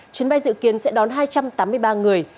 chuyến bay dự kiến sẽ đón hai trăm tám mươi ba người